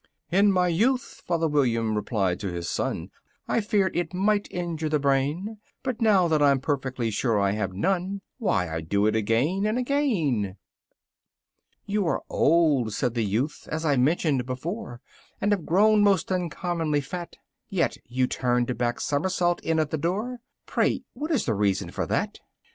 2. "In my youth," father William replied to his son, "I feared it might injure the brain But now that I'm perfectly sure I have none, Why, I do it again and again." 3. "You are old," said the youth, "as I mentioned before, And have grown most uncommonly fat: Yet you turned a back somersault in at the door Pray what is the reason of that?"